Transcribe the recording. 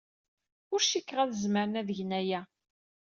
Ur cikkeɣ ad zemren ad gen aya.